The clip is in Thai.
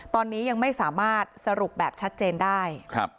ตอนนี้ยังไม่สามารถสรุปแบบชัดเจนได้